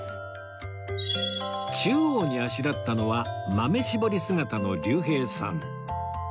中央にあしらったのは豆絞り姿の竜兵さん